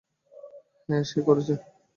হ্যাঁ, সে করেছে।